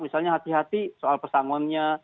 misalnya hati hati soal pesangonnya